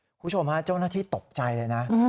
คุณผู้ชมฮะเจ้าหน้าที่ตกใจเลยนะ